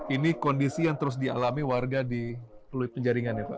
ini kondisi yang terus dialami warga di pluit penjaringan ya pak